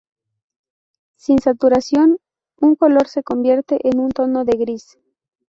Sin saturación, un color se convierte en un tono de gris.